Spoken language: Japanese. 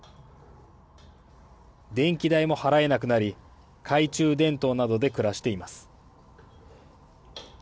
電気代も払えなくなり、懐中電灯などで暮らしています。